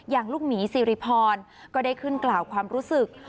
อย่างลูกหมีสิริพรก็ได้ขึ้นกล่าวความรู้สึก